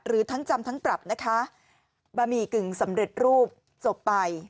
หรือทั้งจำทั้งปรับนะคะบะหมี่กึ่งสำเร็จรูปจบไป